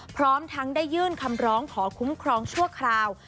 พร้อมทั้งได้ยื่นคำร้องขอคุ้มครองชั่วคราว